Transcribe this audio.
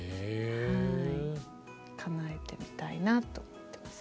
はいかなえてみたいなと思ってます。